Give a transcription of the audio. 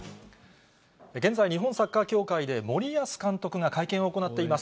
現在、日本サッカー協会で、森保監督が会見を行っています。